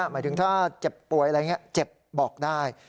หมายถึงถ้าเจ็บป่วยอะไรอย่างนี้เจ็บบอกได้